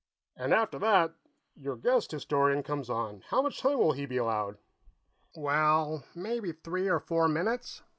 "And after that, your guest historian comes on; how much time will he be allowed?" "Well, maybe three or four minutes.